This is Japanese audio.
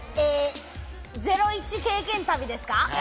ゼロイチ経験旅ですか？